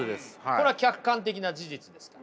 これは客観的な事実ですから。